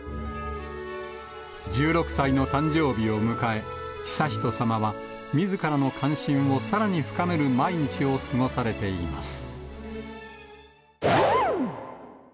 １６歳の誕生日を迎え、悠仁さまは、みずからの関心をさらに深める毎日を過ごされています。